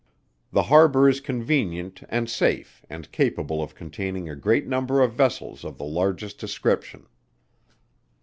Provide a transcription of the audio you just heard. The harbour is convenient and safe, and capable of containing a great number of vessels of the largest description.